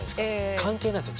関係ないんですよ。